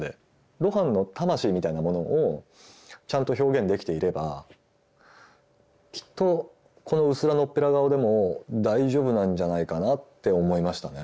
露伴の「魂」みたいなものをちゃんと表現できていればきっとこのうすらのっぺら顔でも大丈夫なんじゃないかなって思いましたね。